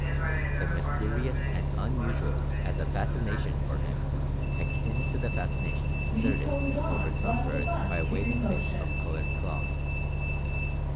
The mysterious and unusual has a fascination for him akin to the fascination exerted over some birds by a waving bit of colored cloth.